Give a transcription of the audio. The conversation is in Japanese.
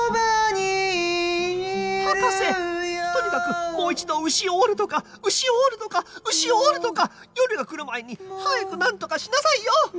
博士とにかくもう一度うしを折るとかうしを折るとかうしを折るとか夜が来る前に早くなんとかしなさいよ！